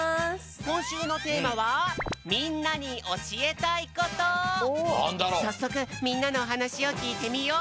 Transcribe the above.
こんしゅうのテーマはさっそくみんなのおはなしをきいてみよう！